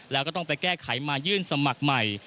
แล้วก็ต้องไปแก้ไขมายื่นสมัครใหม่